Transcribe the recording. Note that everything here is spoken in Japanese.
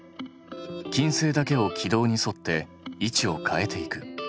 金星だけを軌道に沿って位置を変えていく。